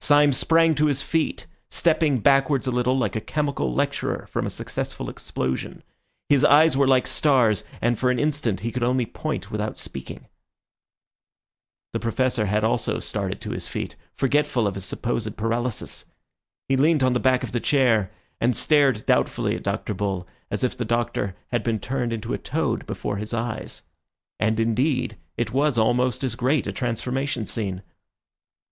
Syme sprang to his feet, stepping backwards a little, like a chemical lecturer from a successful explosion. His eyes were like stars, and for an instant he could only point without speaking. The Professor had also started to his feet, forgetful of his supposed paralysis. He leant on the back of the chair and stared doubtfully at Dr. Bull, as if the Doctor had been turned into a toad before his eyes. And indeed it was almost as great a transformation scene.